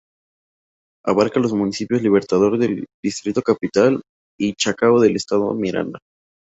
Abarca los municipios Libertador del Distrito Capital y Chacao del Estado Miranda.